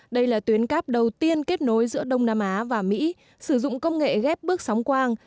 đây là tuyến cáp đầu tiên kết nối giữa đông nam á và mỹ sử dụng công nghệ ghép bước sóng quang